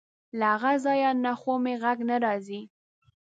له هغه ځای نه خو مې غږ نه راځي.